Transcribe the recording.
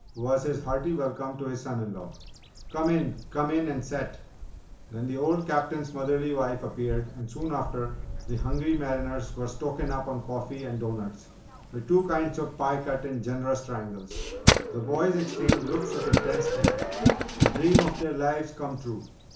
was his hearty welcome to his son in law. "Come in come in and set!" Then the old Captain's motherly wife appeared and soon after, the hungry mariners were "stokin' up" on coffee and doughnuts, with two kinds of pie cut in generous triangles. The boys exchanged looks of intense delight the dream of their lives come true!